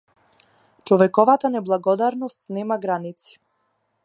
Човековата неблагодарност нема граници.